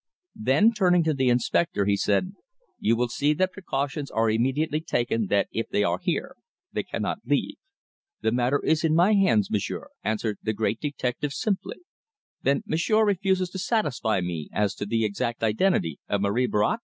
Then, turning to the inspector, he said, "You will see that precautions are immediately taken that if they are here they cannot leave." "The matter is in my hands, m'sieur," answered the great detective simply. "Then m'sieur refuses to satisfy me as to the exact identity of Marie Bracq?"